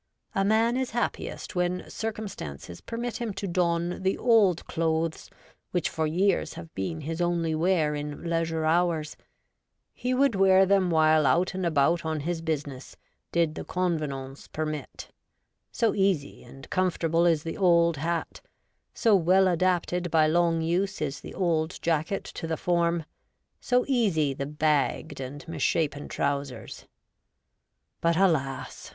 A man is happiest when circum stances permit him to don the old clothes which for years have been his only wear in leisure hours : he , would wear them while out and about on his busi ness did the convenatices permit — so easy and comfort able is the old hat ; so well adapted by long use is the old jacket to the form ; so easy the bagged and misshapen trousers. But, alas